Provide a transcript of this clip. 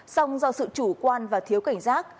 song do sự chủ quan và thiếu cảnh giác